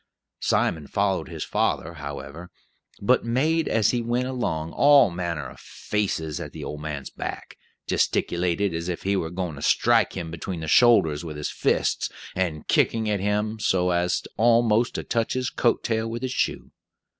Simon followed his father, however, but made, as he went along, all manner of "faces" at the old man's back; gesticulated as if he were going to strike him between the shoulders with his fists, and kicking at him so as almost to touch his coat tail with his shoe.